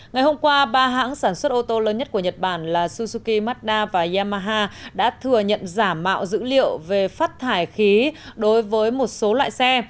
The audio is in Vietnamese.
ngày hôm qua ba hãng sản xuất ô tô lớn nhất của nhật bản là suzuki mazda và yamaha đã thừa nhận giả mạo dữ liệu về phát thải khí đối với một số loại xe